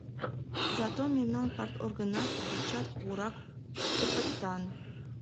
Зато мемнан парторгна туддечат кугурак опытан!